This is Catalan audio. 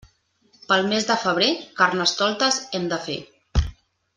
Pel mes de febrer, Carnestoltes hem de fer.